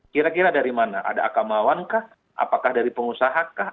kira kira dari mana ada akamawankah apakah dari pengusahakah